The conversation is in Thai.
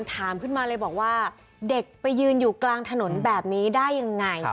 ถามขึ้นมาเลยบอกว่าเด็กไปยืนอยู่กลางถนนแบบนี้ได้ยังไง